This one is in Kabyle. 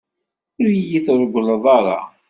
Ur yi-treggleḍ ara.